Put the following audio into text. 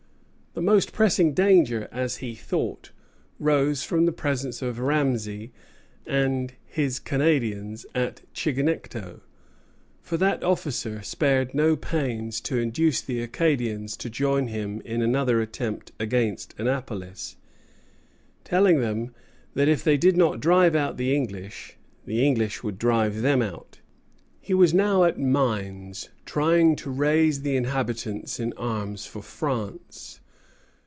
The most pressing danger, as he thought, rose from the presence of Ramesay and and his Canadians at Chignecto; for that officer spared no pains to induce the Acadians to join him in another attempt against Annapolis, telling them that if they did not drive out the English, the English would drive them out. He was now at Mines, trying to raise the inhabitants in arms for France.